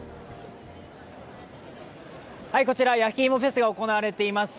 こちら、やきいもフェスが行われています